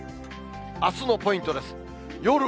あすのポイントです。